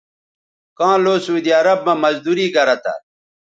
کاں لو سعودی عرب مہ مزدوری گرہ تھہ